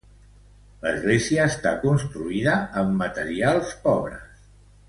L'església està construïda amb materials pobres.